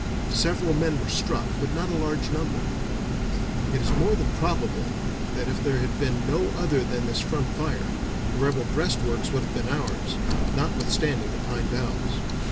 Several men were struck, but not a large number. It is more than probable that if there had been no other than this front fire, the rebel breastworks would have been ours, notwithstanding the pine boughs.